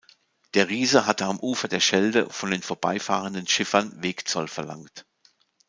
Der Riese hatte am Ufer der Schelde von den vorbeifahrenden Schiffern Wegzoll verlangt.